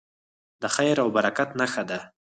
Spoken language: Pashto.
د خیر او برکت نښه ده.